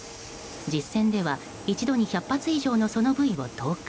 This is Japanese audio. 実戦では、一度に１００発以上のソノブイを投下。